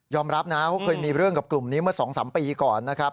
รับนะเขาเคยมีเรื่องกับกลุ่มนี้เมื่อ๒๓ปีก่อนนะครับ